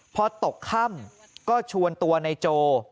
พอตกค่ำก็ชวนตัวในโจ